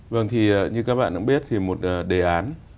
vâng như các bạn cũng biết một đề án